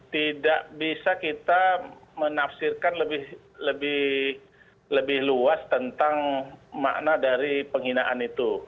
tidak bisa kita menafsirkan lebih luas tentang makna dari penghinaan itu